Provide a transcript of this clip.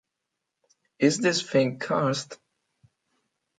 Is This Thing Cursed?